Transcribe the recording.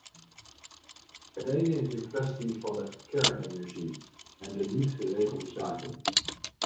Het ene is de kwestie van de kernenergie en de niet geregelde zaken.